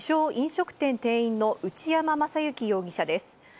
・飲食店店員の内山誠之容疑者です。